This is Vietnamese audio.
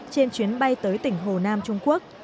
trên chuyến bay tới tỉnh hồ nam trung quốc